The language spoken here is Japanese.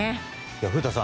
古田さん